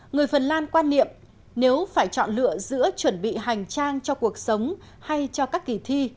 người phần lan quan niệm nếu phải chọn lựa giữa chuẩn bị hành trang cho cuộc sống hay cho các kỳ thi